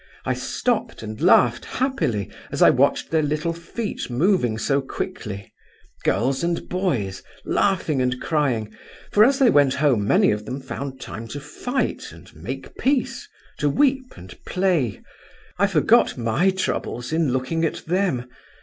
I stopped and laughed happily as I watched their little feet moving so quickly. Girls and boys, laughing and crying; for as they went home many of them found time to fight and make peace, to weep and play. I forgot my troubles in looking at them.